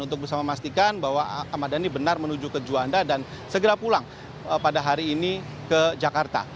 untuk bisa memastikan bahwa ahmad dhani benar menuju ke juanda dan segera pulang pada hari ini ke jakarta